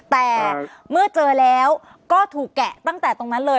แต่เมื่อเจอแล้วก็ถูกแกะตั้งแต่ตรงนั้นเลย